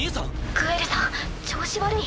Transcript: グエルさん調子悪い？